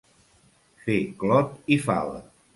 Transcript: Fer clot i fava.